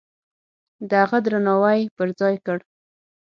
د هغه درناوی پرځای کړ.